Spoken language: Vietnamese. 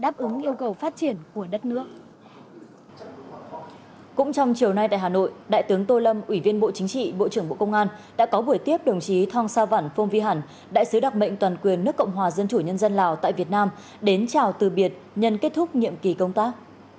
cũng trong chiều nay tại hà nội đại tướng tô lâm ủy viên bộ chính trị bộ trưởng bộ công an đã có buổi tiếp đồng chí thong sa văn phong vi hẳn đại sứ đặc mệnh toàn quyền nước cộng hòa dân chủ nhân dân lào tại việt nam đến chào từ biệt nhân kết thúc nhiệm kỳ công tác